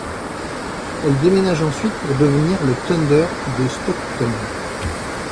Elle déménage ensuite pour devenir le Thunder de Stockton.